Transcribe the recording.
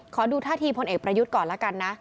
ขอดูท่าทีพลเอกประยุทธ์ก่อนแล้วกันนะ